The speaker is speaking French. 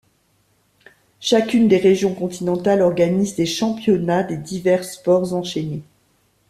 Chacune des régions continentales organise des championnats des divers sports enchaînés.